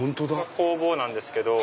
工房なんですけど。